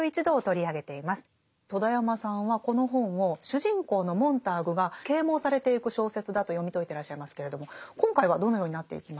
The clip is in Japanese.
戸田山さんはこの本を主人公のモンターグが啓蒙されていく小説だと読み解いてらっしゃいますけれども今回はどのようになっていきますか？